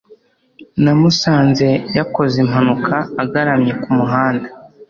Namusanze yakoze impanuka agaramye kumuhanda.